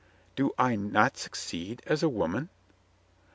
"Do I not succeed as a woman?"